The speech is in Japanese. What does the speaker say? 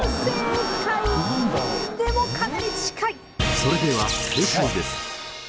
それでは正解です。